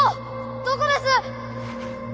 どこです？